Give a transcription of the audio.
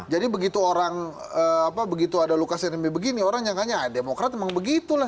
jadi begitu orang apa begitu ada lukas rmi begini orangnya kaya demokrat memang begitulah